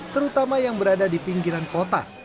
terutama yang berada di pinggiran kota